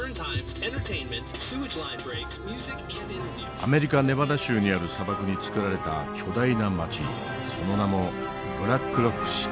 アメリカ・ネバダ州にある砂漠に造られた巨大な街その名もブラックロック・シティ。